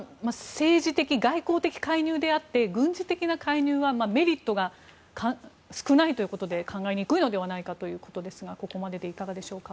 政治的や外交的介入であって軍事的な介入はメリットが少ないということで考えにくいのではないかということですがここまででいかがでしょうか？